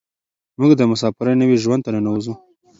موږ د مساپرۍ نوي ژوند ته ننوځو.